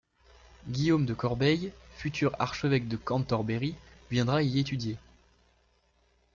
Guillaume de Corbeil, futur archevêque de Cantorbéry viendra y étudier.